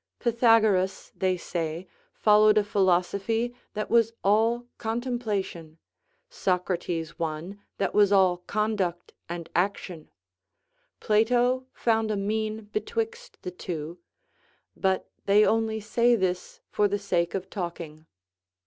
Pythagoras, they say, followed a philosophy that was all contemplation, Socrates one that was all conduct and action; Plato found a mean betwixt the two; but they only say this for the sake of talking.